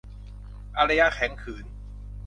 อารยะแข็งขืน